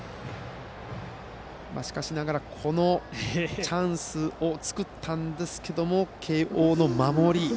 しかしながらチャンスを作ったんですが慶応の守り。